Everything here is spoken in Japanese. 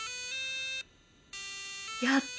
やった！